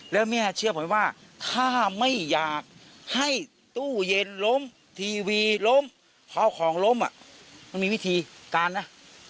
แล้วแม่เชื่อผมไว้ว่าถ้าไม่อยากให้ตู้เย็นล้มทีวีล้มเพราะของล้มอ่ะมันมีวิธีการนะ